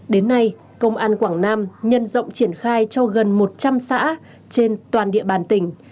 đến nay công an quảng nam nhân rộng triển khai cho gần một trăm linh xã trên toàn địa bàn tỉnh